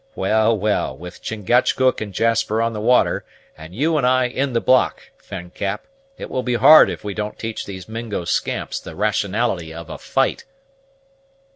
Well, well, with Chingachgook and Jasper on the water, and you and I in the block, friend Cap, it will be hard if we don't teach these Mingo scamps the rationality of a fight."